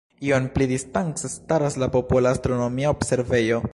Iom pli distance staras la Popola astronomia observejo.